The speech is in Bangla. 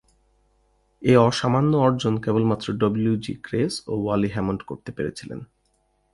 এ অসামান্য অর্জন কেবলমাত্র ডব্লিউ জি গ্রেস ও ওয়ালি হ্যামন্ড করতে পেরেছিলেন।